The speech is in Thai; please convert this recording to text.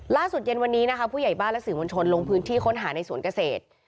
เย็นวันนี้นะคะผู้ใหญ่บ้านและสื่อมวลชนลงพื้นที่ค้นหาในสวนเกษตร